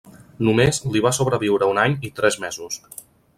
Només li va sobreviure un any i tres mesos.